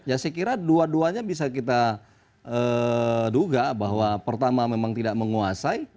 ya saya kira dua duanya bisa kita duga bahwa pertama memang tidak menguasai